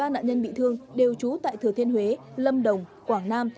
một mươi ba nạn nhân bị thương đều trú tại thừa thiên huế lâm đồng quảng nam